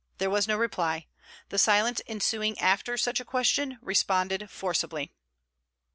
There was no reply. The silence ensuing after such a question responded forcibly.